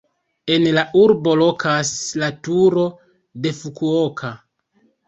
En la urbo lokas la Turo de Fukuoka.